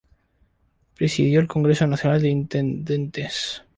Presidió el Congreso Nacional de Intendentes.